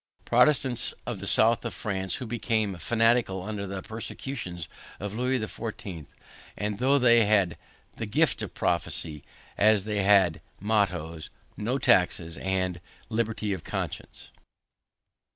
Protestants of the South of France, who became fanatical under the persecutions of Louis XIV, and thought they had the gift of prophecy. They had as mottoes "No Taxes" and "Liberty of Conscience."